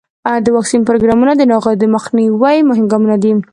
د واکسین پروګرامونه د ناروغیو د مخنیوي مهم ګامونه دي.